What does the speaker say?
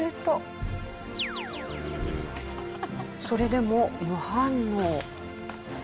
それでも無反応。